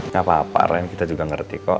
nggak apa apa ren kita juga ngerti kok